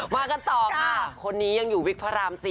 มากันต่อค่ะคนนี้ยังอยู่วิกพระราม๔